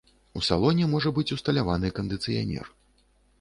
У салоне можа быць усталяваны кандыцыянер.